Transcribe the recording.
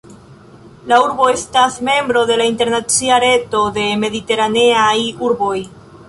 La urbo estas membro de la internacia "reto de mediteraneaj urboj".